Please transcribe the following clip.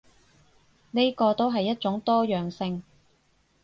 呢個都係一種多樣性